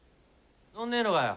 乗んねえのかよ？